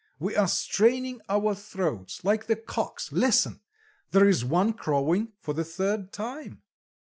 We are straining our throats like the cocks listen! there is one crowing for the third time."